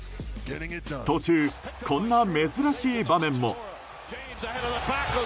途中、こんな珍しい場面も。